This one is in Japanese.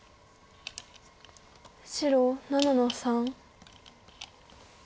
白７の三。